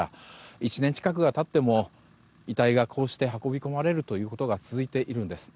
１年近くが経っても遺体が運び込まれるということが続いているんです。